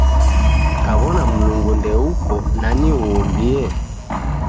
Kaw'ona Mlungu ndouko, nani uumbie?